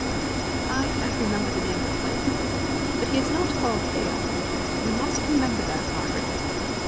"I can't remember the name of the place, but he is not called Hale; you must remember that, Margaret.